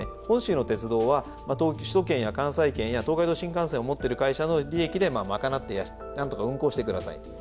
本州の鉄道は首都圏や関西圏や東海道新幹線を持ってる会社の利益で賄って何とか運行して下さい。